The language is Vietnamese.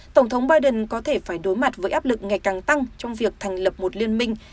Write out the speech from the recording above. tổng thống biden có thể phải đối mặt với áp lực ngày càng tăng trong việc thành lập một liên minh